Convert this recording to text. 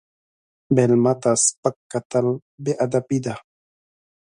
مېلمه ته سپک کتل بې ادبي ده.